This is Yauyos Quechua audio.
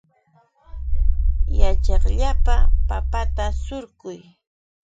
Yaćhayllapa papata surquy.